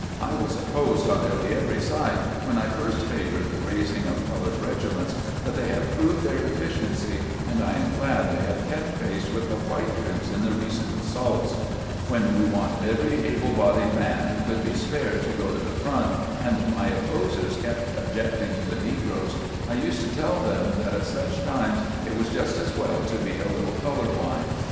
I was opposed on nearly every side when I first favored the raising of colored regiments ; but they have proved their efficiency, and I am glad they have kept pace with the white troops in the recent assaults. "When we wanted every able bodied man who could be spared to go to the front, and my opposers kept objecting to the negroes, I used to tell them that at such times it was just as well to be a little color blind.